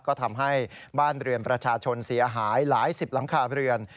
ก็ทำให้บ้านเรือนประชาชนเสียหายหลายสิบหลังคาเรือน